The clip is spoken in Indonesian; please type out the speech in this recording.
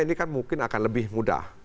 ini kan mungkin akan lebih mudah